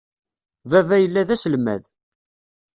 Baba yella d aselmad.